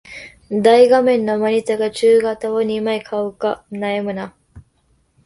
大画面のモニタか中型を二枚買うか悩むな